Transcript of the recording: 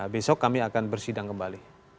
besok kami akan bersidang kembali